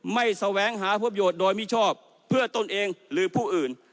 แสวงหาผลประโยชน์โดยมิชอบเพื่อตนเองหรือผู้อื่น